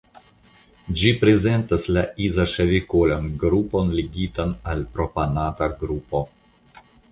Ĝi prezentas la izoŝavikolan grupon ligitan al la propanata grupo.